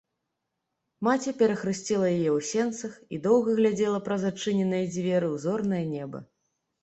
Маці перахрысціла яе ў сенцах і доўга глядзела праз адчыненыя дзверы ў зорнае неба.